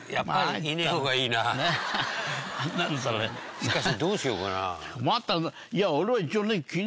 しかしどうしようかな？